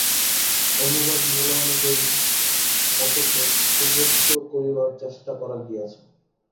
অনুবাদ মূলানুযায়ী অথচ সুবোধ্য করিবার চেষ্টা করা গিয়াছে।